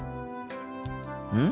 うん？